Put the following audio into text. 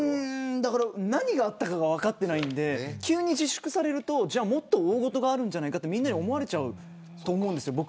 何があったのか分からないので急に自粛されるともっと大ごとがあるんじゃないかとみんなに思われちゃうと思うんです。